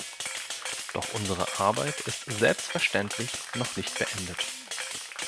Doch unsere Arbeit ist selbstverständlich noch nicht beendet.